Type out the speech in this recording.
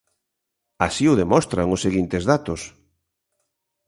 Así o demostran os seguintes datos.